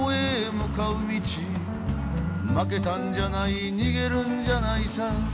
「負けたんじゃない逃げるんじゃないさ」